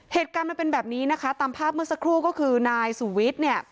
เหตุการณ์มันเป็นแบบนี้นะคะตามภาพเมื่อสักครู่ก็คือนายสุวิทย์เนี่ย